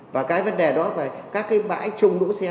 và cái vấn đề đó là các cái bãi chung đũ xe